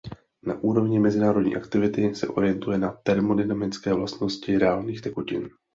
Na úrovni mezinárodní aktivity se orientuje na termodynamické vlastnosti reálných tekutin.